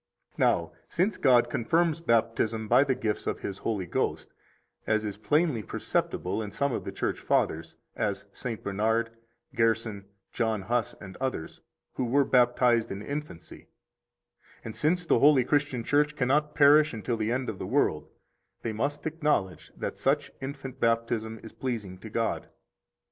Now, since God confirms Baptism by the gifts of His Holy Ghost, as is plainly perceptible in some of the church fathers, as St. Bernard, Gerson, John Hus, and others, who were baptized in infancy, and since the holy Christian Church cannot perish until the end of the world, they must acknowledge that such infant baptism is pleasing to God.